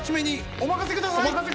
おまかせください！